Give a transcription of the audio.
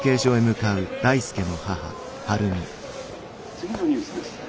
「次のニュースです。